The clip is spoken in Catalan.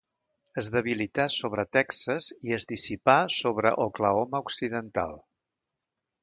Es debilità sobre Texas, i es dissipà sobre Oklahoma occidental.